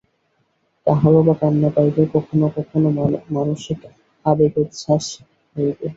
কাহারও বা কান্না পাইবে, কখনও কখনও মানসিক আবেগোচ্ছ্বাস হইবে।